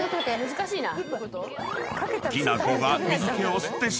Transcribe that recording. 難しいな。